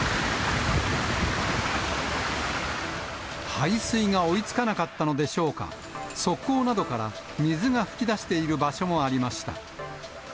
排水が追いつかなかったのでしょうか、側溝などから水が噴き出している場所もありました。